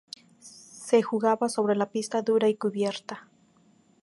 Se jugaba sobre pista dura y cubierta.